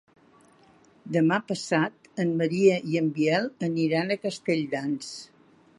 Demà passat en Maria i en Biel iran a Castelldans.